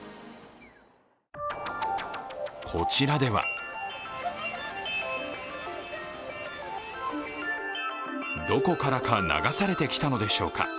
こちらではどこからか流されてきたのでしょうか。